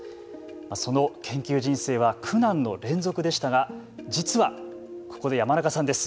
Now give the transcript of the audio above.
その研究人生は苦難の連続でしたが実はここで山中さんです。